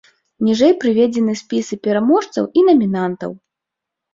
Ніжэй прыведзены спісы пераможцаў і намінантаў.